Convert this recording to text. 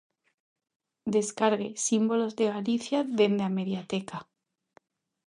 Descargue "Símbolos de Galicia" dende a mediateca.